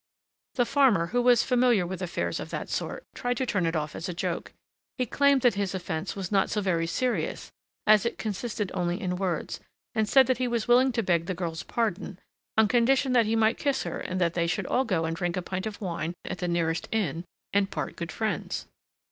The farmer, who was familiar with affairs of that sort, tried to turn it off as a joke. He claimed that his offence was not so very serious, as it consisted only in words, and said that he was willing to beg the girl's pardon, on condition that he might kiss her and that they should all go and drink a pint of wine at the nearest inn and part good friends.